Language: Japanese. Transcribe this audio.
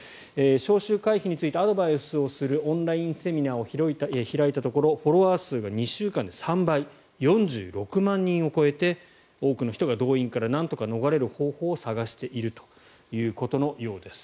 招集回避についてアドバイスをするオンラインセミナーを開いたところフォロワー数が２週間で３倍４６万人を超えて多くの人が動員からなんとか逃れる方法を探しているということのようです。